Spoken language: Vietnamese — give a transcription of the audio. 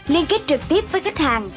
liên kết trực tiếp với khách hàng